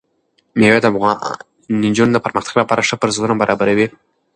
مېوې د افغان نجونو د پرمختګ لپاره ښه فرصتونه برابروي.